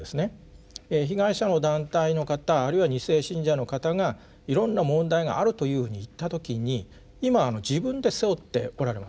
被害者の団体の方あるいは二世信者の方がいろんな問題があるというふうにいった時に今自分で背負っておられます。